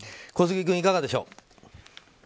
小杉君、いかがでしょう。